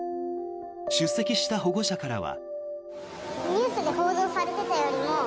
出席した保護者からは。